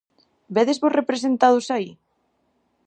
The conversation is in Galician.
Védesvos representados aí?